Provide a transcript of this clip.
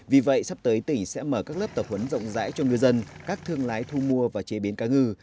vì vậy sắp tới tỉnh sẽ mở các lớp tập huấn rộng rãi cho ngư dân các thương lái thu mua và chế biến cá ngư